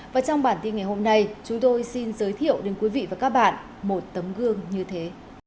và trong bản tin ngày hôm nay chúng tôi xin giới thiệu đến quý vị và các bạn một tấm gương như thế